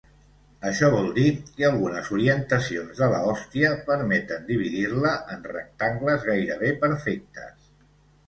Això vol dir que algunes orientacions de la hòstia permeten dividir-la en rectangles gairebé perfectes.